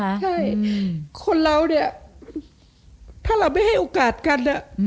ใช่คนเราเนี่ยถ้าเราไม่ให้โอกาสกัน